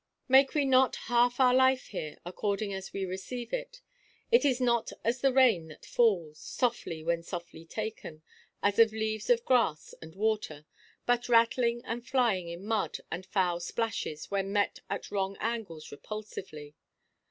Make we not half our life here, according as we receive it? Is it not as the rain that falls, softly when softly taken, as of leaves and grass and water; but rattling and flying in mud and foul splashes, when met at wrong angles repulsively?